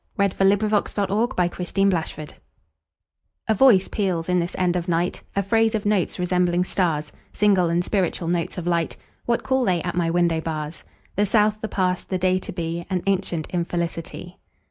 1920. Alice Meynell1847–1922 A Thrush before Dawn A VOICE peals in this end of nightA phrase of notes resembling stars, Single and spiritual notes of light. What call they at my window bars? The South, the past, the day to be, An ancient infelicity.